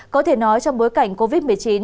có thể nói trong bối cảnh covid một mươi chín